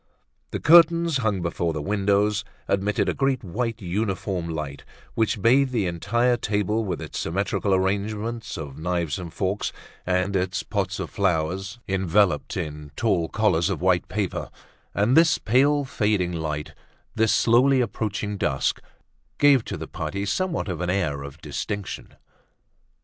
The curtains hung before the windows admitted a great white uniform light which bathed the entire table with its symmetrical arrangement of knives and forks and its pots of flowers enveloped in tall collars of white paper; and this pale fading light, this slowly approaching dusk, gave to the party somewhat of an air of distinction.